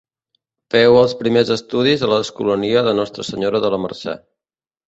Feu els primers estudis a l'escolania de Nostra Senyora de la Mercè.